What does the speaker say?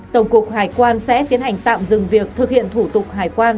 tổng cục hải quan sẽ tiến hành tạm dừng việc thực hiện thủ tục hải quan